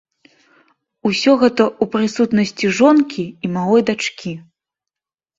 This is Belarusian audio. Усё гэта ў прысутнасці жонкі і малой дачкі.